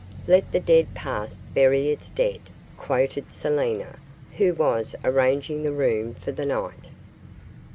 'Let the dead past bury its dead,' quoted Selina, who was arranging the room for the night.